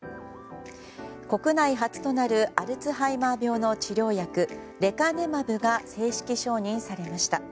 国内初となるアルツハイマー病の治療薬レカネマブが正式承認されました。